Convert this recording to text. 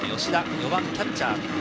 ４番、キャッチャー。